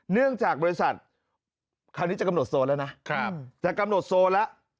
เนื่องจากบริษัทคราวนี้จะกำหนดโซนแล้วนะจะกำหนดโซนแล้ว